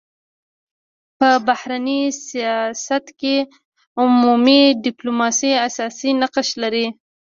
په بهرني سیاست کي عمومي ډيپلوماسي اساسي نقش لري.